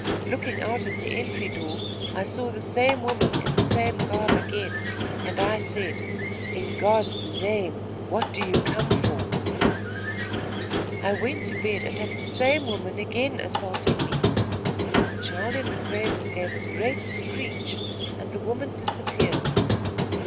Looking out at the entry door, I saw the same woman, in the same garb again, and I said, 'In God's name, what do you come for?' I went to bed and had the same woman again assaulting me. The child in the cradle gave a great screech, and the woman disappeared.